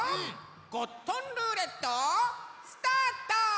ゴットンルーレットスタート！